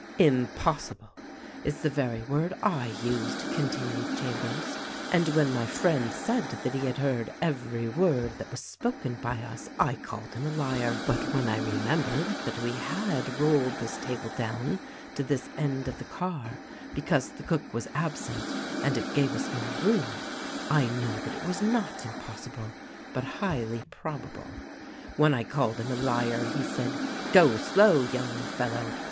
"Impossible is the very word I used," continued Cham bers, "and when my friend said that he had heard every word that was spoken by us I called him a liar ; but when I remem bered that we had rolled this table down to this end of the THE RECORDING ANGEL 147 car because the cook was absent and it gave us more room, I knew that it was not impossible, but highly probable. When I called him a liar he said, 'Go slow young fellow